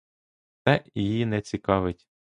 Це її не цікавить.